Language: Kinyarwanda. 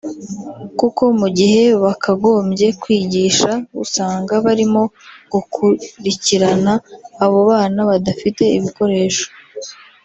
kuko mu gihe bakagombye kwigisha usanga barimo gukurikirana abo bana badafite ibikoresho